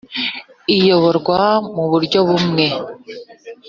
iyoborwa mu buryo bumwe